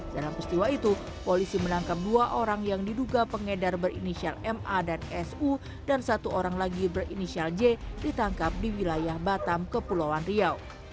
dalam peristiwa itu polisi menangkap dua orang yang diduga pengedar berinisial ma dan su dan satu orang lagi berinisial j ditangkap di wilayah batam kepulauan riau